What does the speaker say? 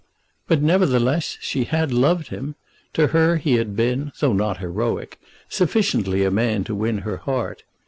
But, nevertheless, she had loved him. To her he had been, though not heroic, sufficiently a man to win her heart.